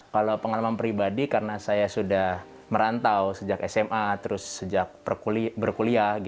kalau pengalaman pribadi karena saya sudah merantau sejak sma terus sejak berkuliah